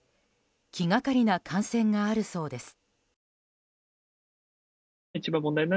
気がかりな感染があるそうです。